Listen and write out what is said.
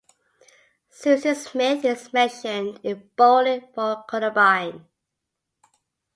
Susan Smith is mentioned in "Bowling for Columbine".